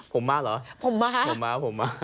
ผมมาเหรอผมมา